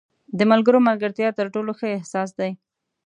• د ملګري ملګرتیا تر ټولو ښه احساس دی.